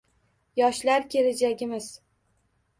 Yoshlar – kelajagimiz